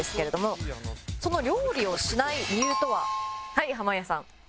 はい濱家さん。